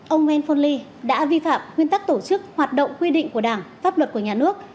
ông nguyễn phôn ly đã vi phạm quy tắc tổ chức hoạt động quy định của đảng pháp luật của nhà nước